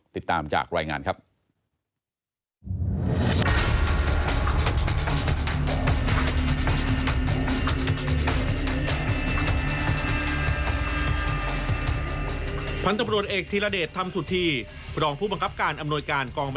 ติดตามจากรายงานครับ